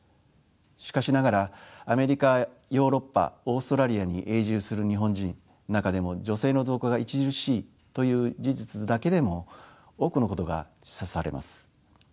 しかしながらアメリカヨーロッパオーストラリアに永住する日本人中でも女性の増加が著しいという事実だけでも多くのことが示唆されます。